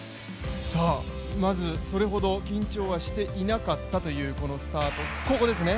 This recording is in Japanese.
まず、それほど緊張はしていなかったというここですね。